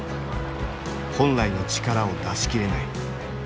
本来の力を出しきれない。